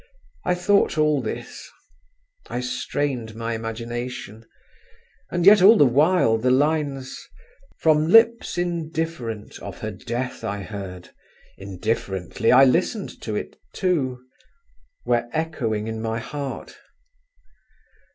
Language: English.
I thought all this; I strained my imagination, and yet all the while the lines: "From lips indifferent of her death I heard, Indifferently I listened to it, too," were echoing in my heart.